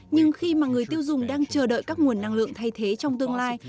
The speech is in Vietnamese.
nhưng khi mà người tiêu dùng đang chờ đợi các nguồn năng lượng thay thế trong tương lai